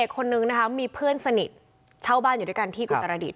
คนนึงนะคะมีเพื่อนสนิทเช่าบ้านอยู่ด้วยกันที่อุตรดิษ